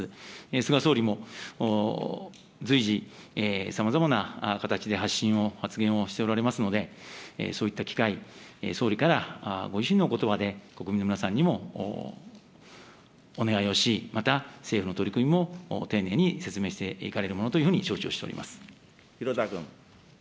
菅総理も、随時さまざまな形で発信を、発言をしておられますので、そういった機会、総理からご自身のおことばで国民の皆さんにもお願いをし、また政府の取り組みも丁寧に説明していかれるものというふうに承広田君。